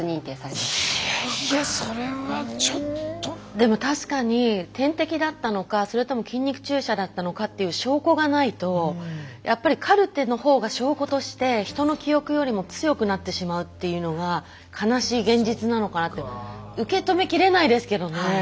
でも確かに点滴だったのかそれとも筋肉注射だったのかっていう証拠がないとやっぱりカルテの方が証拠として人の記憶よりも強くなってしまうっていうのが悲しい現実なのかなって受け止めきれないですけどね。